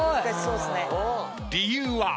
理由は？